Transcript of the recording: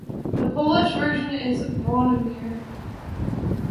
The Polish version is Bronimir.